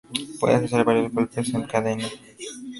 Puedes hacer varios golpes en cadena.